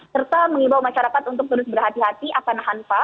serta mengimbau masyarakat untuk terus berhati hati akan hanpa